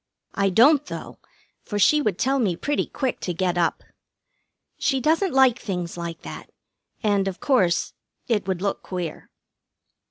I don't, though, for she would tell me pretty quick to get up. She doesn't like things like that, and, of course, it would look queer.